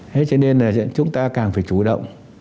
thế cho nên là chúng ta càng phải chủ động